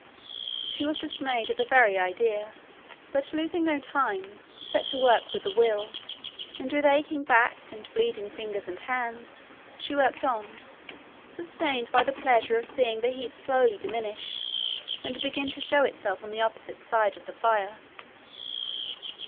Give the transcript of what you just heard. She was dismayed at the very idea, but, losing no time, set to work with a will; and with aching back, and bleeding fingers and hands, she worked on, sustained by the pleasure of seeing the heap slowly diminish and begin to show itself on the opposite side of the fire.